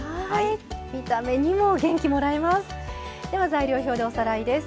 見た目にも元気もらえます。